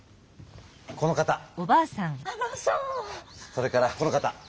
それからこの方。